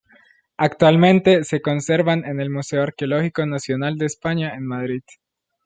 Actualmente se conservan en el Museo Arqueológico Nacional de España en Madrid.